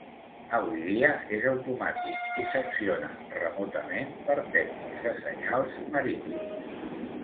Avui dia és automàtic i s'acciona remotament per tècnics de senyals marítims.